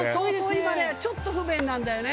今ねちょっと不便なんだよね。